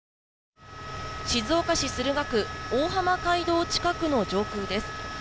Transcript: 静岡市駿河区大浜街道近くの上空です。